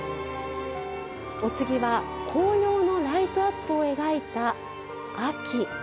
お次は紅葉のライトアップを描いた秋。